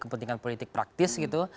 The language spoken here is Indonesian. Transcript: tentu ada pilihan politik praktis gitu